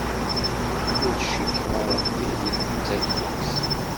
Ur cikkeɣ ara ad tili d tafukt.